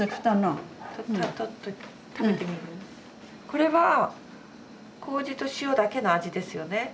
これは麹と塩だけの味ですよね。